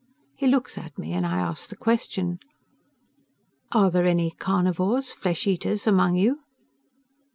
He looks at me and I ask the question: "Are there any carnivores flesh eaters among you?"